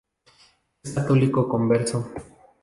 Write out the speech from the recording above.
Es católico converso.